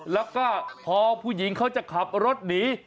แล้วก็พอผู้หญิงเขาจะขับรถหนี